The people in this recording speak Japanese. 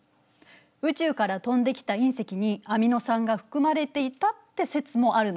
宇宙から飛んできた隕石にアミノ酸が含まれていたって説もあるのよ。